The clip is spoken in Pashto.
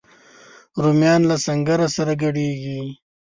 رومیان له سنګره سره ګډیږي